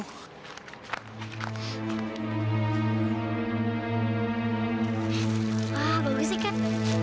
wah bagus sih kan